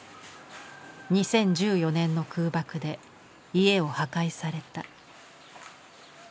２０１４年の空爆で家を破壊された。